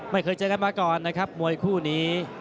ไม่เคยเจอกันมาก่อนนะครับมวยคู่นี้